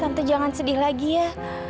tante jangan sedih lagi ya